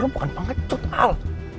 lo bukan pengecut al